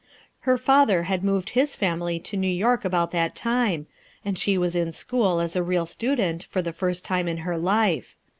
Her father had moved his family to New York 212 RUTH ER8KLWS SON about that time, and she was in school as a real student for the first time in her life.